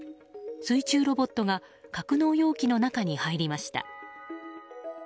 水中ロボットが格納容器の中に入りました。